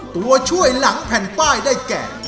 ตัวช่วยหลังแผ่นป้ายได้แก่